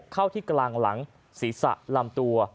เข้าที่กลางหลังศีรษะลำตัว